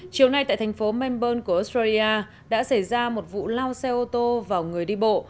chiều nay tại thành phố memburne của australia đã xảy ra một vụ lao xe ô tô vào người đi bộ